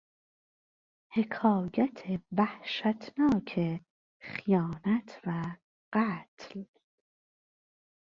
حکایت وحشتناک خیانت و قتل